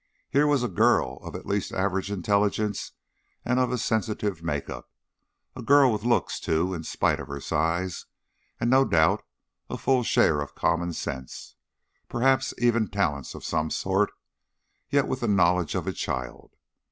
Here was a girl of at least average intelligence and of sensitive makeup; a girl with looks, too, in spite of her size, and no doubt a full share of common sense perhaps even talents of some sort yet with the knowledge of a child.